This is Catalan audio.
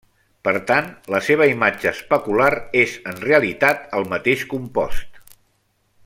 Per tant, la seva imatge especular és en realitat el mateix compost.